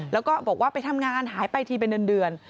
แล้วก็บอกว่าไปทำงานหายไปทีเป็นเดือน